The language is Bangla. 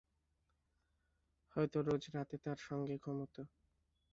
হয়তো রোজ রাতে তার সঙ্গে ঘুমুত।